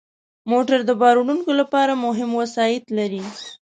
موټر د بار وړونکو لپاره مهم وسایط لري.